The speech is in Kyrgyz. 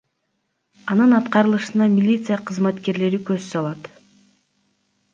Анын аткарылышына милиция кызматкерлери көз салат.